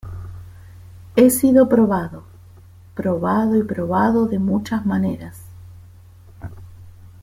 He sido probado, probado y probado de muchas maneras.